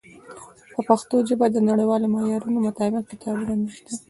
په پښتو ژبه د نړیوالو معیارونو مطابق کتابونه نشته.